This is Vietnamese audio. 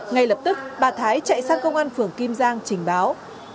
ngay lập tức bà thái chạy sang công an phường kim giang trình báo